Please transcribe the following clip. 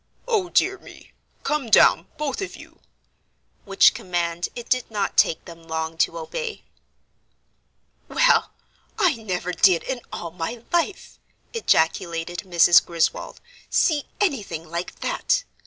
"O dear me! Come down, both of you," which command it did not take them long to obey. "Well, I never did in all my life," ejaculated Mrs. Griswold, "see anything like that.